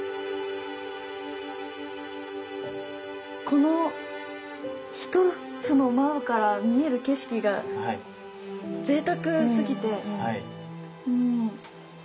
この１つの窓から見える景色がぜいたくすぎて驚きました。